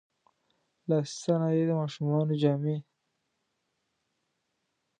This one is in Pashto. لاسي صنایع، د ماشومانو جامې.